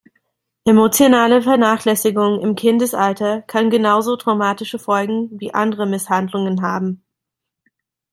Emotionale Vernachlässigung im Kindesalter kann genauso traumatische Folgen wie andere Misshandlungen haben.